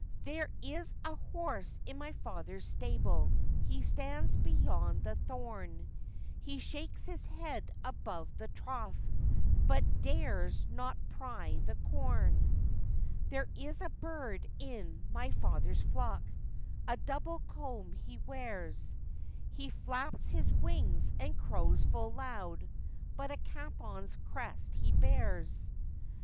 'There is a horse in my father's stable, He stands beyond the thorn; He shakes his head above the trough, But dares not prie the corn. 'There is a bird in my father's flock, A double comb he wears; He flaps his wings, and crows full loud, But a capon's crest he bears.